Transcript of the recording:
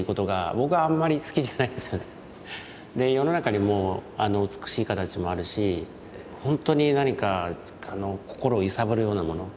世の中にも美しい形もあるしほんとに何か心を揺さぶるようなもの。